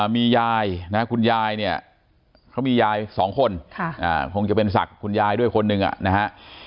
มียายนะคุณยายเนี่ยเขามียายสองคนคงจะเป็นศักดิ์คุณยายด้วยคนหนึ่งนะฮะ